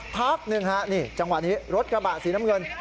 พักหนึ่งฮะนี่จังหวะนี้รถกระบะสีน้ำเงิน